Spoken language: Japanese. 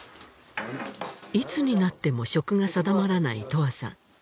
いつになっても職が定まらない永遠さん